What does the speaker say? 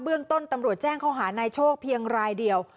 เรื่องต้นตำรวจแจ้งเขาหานายโชคเพียงรายเดียว